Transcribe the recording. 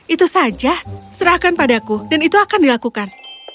itu saja serahkan padaku dan itu akan dilakukan